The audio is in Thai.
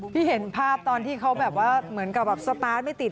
พี่เห็นภาพตอนที่เขาเหมือนกับสตาร์ทไม่ติด